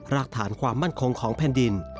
รากฐานความมั่นคงของแผ่นดิน